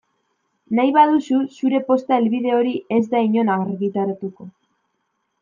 Nahi baduzu zure posta helbide hori ez da inon argitaratuko.